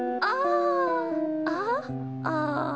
あああ。